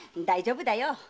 大丈夫だよ！